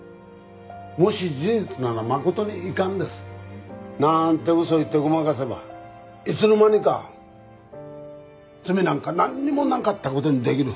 「もし事実なら誠に遺憾です」なんて嘘言ってごまかせばいつの間にか罪なんかなんにもなかった事にできる。